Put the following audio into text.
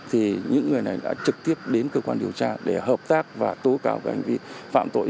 thì những người này đã trực tiếp đến cơ quan điều tra để hợp tác và tố cáo hành vi phạm tội